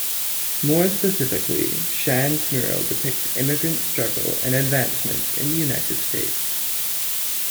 More specifically, Shahn's mural depicts immigrants' struggle and advancement in the United States.